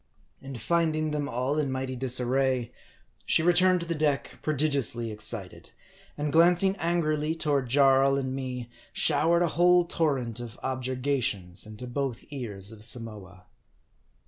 And finding them all in mighty disarray, she returned to the deck prodigiously excited, and glancing angrily toward Jaii and me, showered a whole torrent of objurgations into both ears of Samoa.